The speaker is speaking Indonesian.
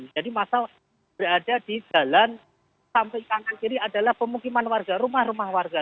jadi masa berada di jalan sampai kiri adalah pemukiman warga rumah rumah warga